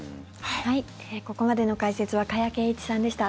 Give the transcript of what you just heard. ここまでの解説は加谷珪一さんでした。